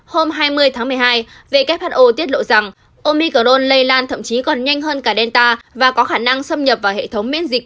hôm hai mươi tháng một mươi hai who tiết lộ rằng omicron lây lan thậm chí còn nhanh hơn cả delta và có khả năng xâm nhập vào hệ thống miễn dịch